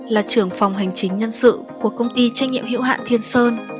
là trưởng phòng hành chính nhân sự của công ty trách nhiệm hiệu hạn thiên sơn